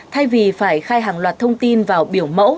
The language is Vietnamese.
thay vì phải khai hàng loạt thông tin vào biểu mẫu